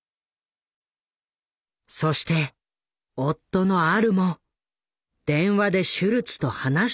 そして夫のアルも電話でシュルツと話したという。